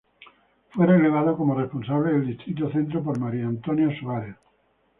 Fue relevado como responsable del distrito Centro por María Antonia Suárez.